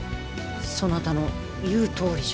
そなたの言うとおりじゃ。